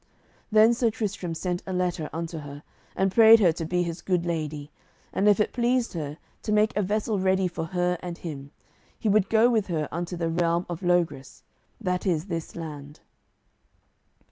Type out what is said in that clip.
Then Sir Tristram sent a letter unto her, and prayed her to be his good lady; and if it pleased her to make a vessel ready for her and him, he would go with her unto the realm of Logris, that is this land.